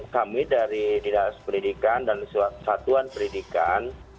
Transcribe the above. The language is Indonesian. kami dari didas perlidikan dan satuan perlidikan